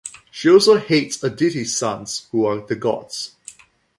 She also hates Aditi's sons who are the gods.